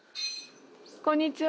こんにちは。